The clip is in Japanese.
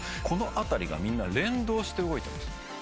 この辺りがみんな連動して動いてます。